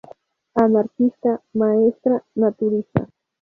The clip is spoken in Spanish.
Anarquista, maestra, naturista".